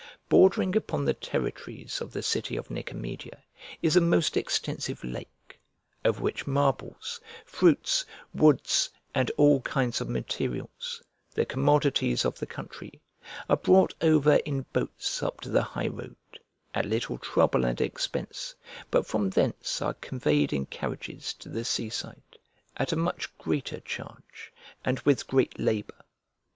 Bordering upon the territories of the city of Nicomedia is a most extensive lake; over which marbles, fruits, woods, and all kinds of materials, the commodities of the country, are brought over in boats up to the high road, at little trouble and expense, but from thence are conveyed in carriages to the sea side, at a much greater charge and with great labour.